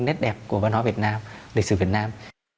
nét đẹp của văn hóa việt nam lịch sử việt nam